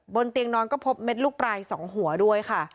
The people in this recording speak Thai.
เตียงนอนก็พบเม็ดลูกปลาย๒หัวด้วยค่ะ